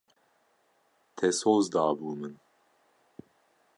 Te soz dabû min.